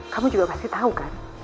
kamu juga pasti tau kan